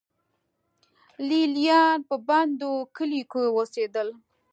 لې لیان په بندو کلیو کې اوسېدل.